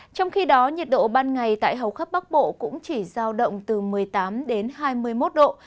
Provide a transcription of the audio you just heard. trong khi đó nhiệt độ ban ngày tại hầu khắp bắc bộ cũng chỉ giao động từ một mươi tám đến hai mươi một độ